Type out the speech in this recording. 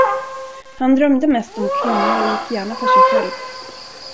Han drömde mest om kvinnor och gick gärna för sig själv.